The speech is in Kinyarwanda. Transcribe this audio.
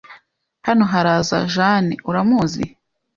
Hano haraza Jane .Uramuzi?